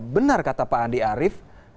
benar kata pak andi arief